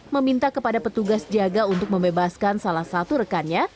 meminta kepada petugas jaga untuk membebaskan salah satu rekannya